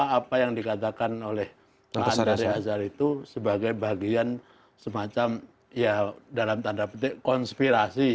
apa yang dikatakan oleh pak dari azhar itu sebagai bagian semacam ya dalam tanda petik konspirasi